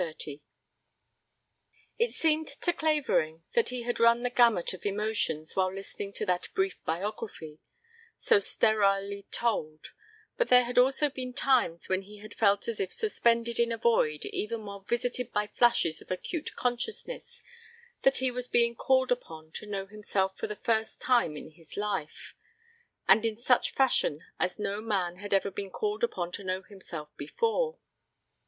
XXX It seemed to Clavering that he had run the gamut of the emotions while listening to that brief biography, so sterilely told, but there had also been times when he had felt as if suspended in a void even while visited by flashes of acute consciousness that he was being called upon to know himself for the first time in his life. And in such fashion as no man had ever been called upon to know himself before.